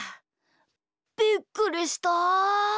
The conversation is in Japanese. びっくりした！